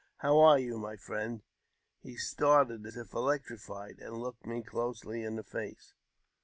<' How are you, my friend? " He started as if electrified, and looked me closely in the face.